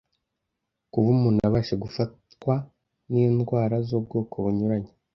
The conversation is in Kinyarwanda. Kuba umuntu abasha gufatwa n’indwara z’ubwoko bunyuranye,